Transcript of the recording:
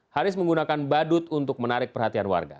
haris menggunakan badut untuk menarik perhatian warga